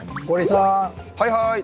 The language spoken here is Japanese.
はいはい。